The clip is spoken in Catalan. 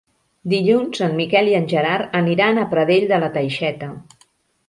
Dilluns en Miquel i en Gerard aniran a Pradell de la Teixeta.